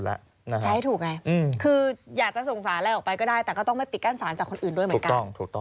ใช้ให้ถูกไงคืออยากจะส่งสารอะไรออกไปก็ได้แต่ก็ต้องไม่ปิดกั้นสารจากคนอื่นด้วยเหมือนกัน